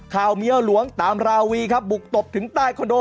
ข่าวเมียหลวงตามราวีครับบุกตบถึงใต้คอนโด